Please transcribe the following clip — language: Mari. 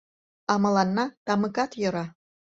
А мыланна тамыкат йӧра.